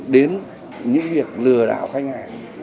đến những việc lừa đảo khách hàng